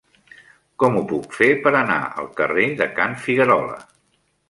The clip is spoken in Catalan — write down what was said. Com ho puc fer per anar al carrer de Can Figuerola?